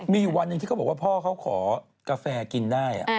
มีวันนึงที่เขาบอกพ่อเขาขอกาแฟกินได้